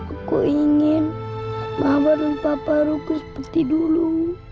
aku ingin mama dan papa rugi seperti dulu